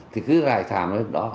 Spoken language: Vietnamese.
thì cứ giải thảm đến đó